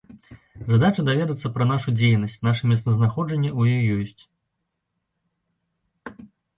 Задача даведацца пра нашу дзейнасць, наша месцазнаходжанне ў іх ёсць.